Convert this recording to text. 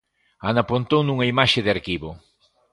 Ana Pontón nunha imaxe de arquivo.